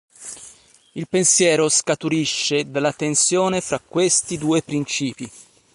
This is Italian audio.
Il pensiero scaturisce dalla tensione fra questi due princìpi.